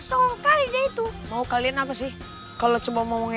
saya tidak mau dari semua kesedihan suaminya